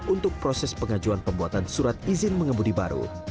untuk proses pengajuan pembuatan surat izin mengemudi baru